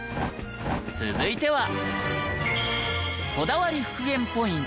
続いては。